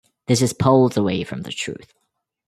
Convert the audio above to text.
This is poles away from the truth.